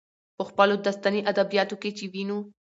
په خپلو داستاني ادبياتو کې چې وينو،